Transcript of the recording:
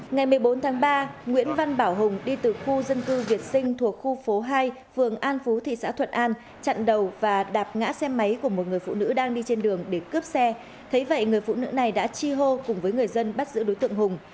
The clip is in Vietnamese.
ngày một mươi bốn tháng ba nguyễn văn bảo hùng đi từ khu dân cư việt sinh thuộc khu phố hai phường an phú thị xã thuận an chặn đầu và đạp ngã xe máy của một người phụ nữ đang đi trên đường để cướp xe thấy vậy người phụ nữ này đã chi hô cùng với người dân bắt giữ đối tượng hùng